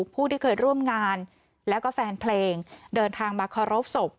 ผู้ที่เคยร่วมงานแล้วก็แฟนเพลงเดินทางมาเคารพศพ